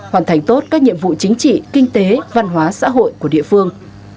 hoàn thành tốt các nhiệm vụ chính trị kinh tế văn hóa xã hội của địa phương